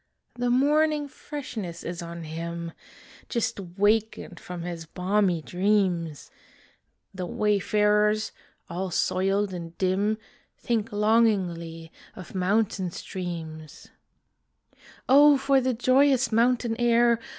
The morning freshness is on him, Just wakened from his balmy dreams; The wayfarers, all soiled and dim, Think longingly of mountain streams: O for the joyous mountain air!